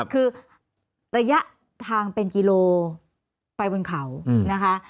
คือระยะทางเป็นกิโลไปบนเขานะคะ